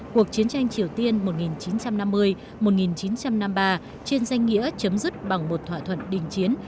cuộc chiến tranh triều tiên một nghìn chín trăm năm mươi một nghìn chín trăm năm mươi ba trên danh nghĩa chấm dứt bằng một thỏa thuận đình chiến